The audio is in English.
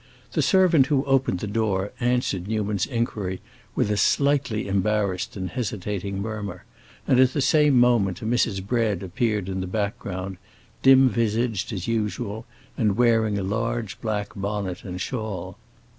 The servant who opened the door answered Newman's inquiry with a slightly embarrassed and hesitating murmur, and at the same moment Mrs. Bread appeared in the background, dim visaged as usual, and wearing a large black bonnet and shawl.